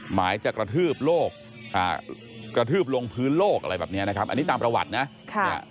หมายจะกระทืบโรคกระทืบลงพื้นโลกอะไรแบบนี้นะครับอันนี้ตามประวัตินะ